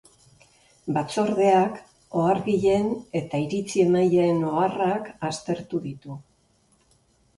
Batzordeak ohargileen eta iritzi-emaileen oharrak aztertu ditu